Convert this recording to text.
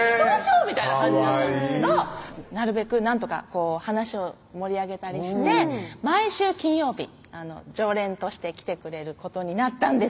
みたいな感じだったんですけどなるべくなんとか話を盛り上げたりして毎週金曜日常連として来てくれることになったんです